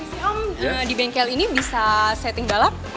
si om di bengkel ini bisa setting balap